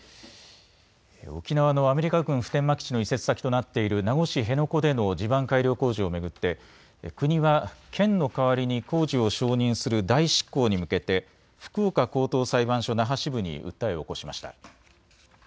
沖縄のアメリカ軍普天間基地の移設先となっている名護市辺野古での地盤改良工事を巡って国は県の代わりに工事を承認する代執行に向けて福岡高等裁判所那覇支部に訴えを起こしました。